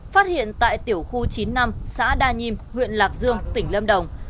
phát hiện tại tiểu khu chín mươi năm xã đa nhiêm huyện lạc dương tỉnh lâm đồng